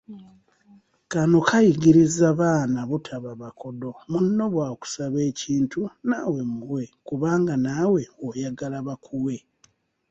Kano kayigiriza baana butaba bakodo; munno bw’akusaba ekintu n’awe muwe kubanga n’awe oyagala bakuwe.